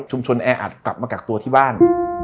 ชุมชนแออัตกลับมากักตัวที่บ้าน